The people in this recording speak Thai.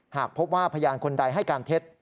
หากพบว่าพยานคนใดให้การเท็จ